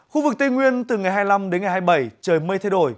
khu vực tây nguyên từ ngày hai mươi năm đến ngày hai mươi bảy trời mây thay đổi